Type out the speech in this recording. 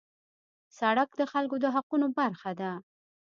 سړک د خلکو د حقونو برخه ده.